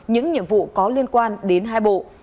những nhiệm vụ có liên quan đến hai bộ